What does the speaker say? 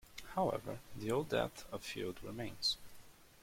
However, the old Depth of Field remains.